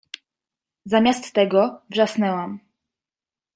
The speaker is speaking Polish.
Zamiast tego wrzasnęłam